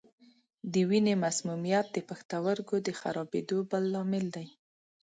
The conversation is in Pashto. د وینې مسمومیت د پښتورګو د خرابېدو بل لامل دی.